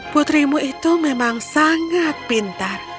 putrimu itu memang sangat pintar